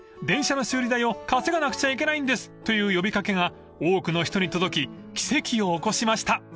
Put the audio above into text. ［「電車の修理代を稼がなくちゃいけないんです」という呼び掛けが多くの人に届き奇跡を起こしました］